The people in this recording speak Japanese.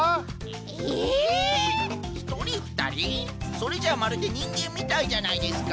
それじゃあまるでにんげんみたいじゃないですか！